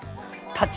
立ち。